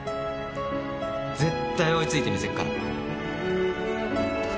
絶対追い付いてみせっから。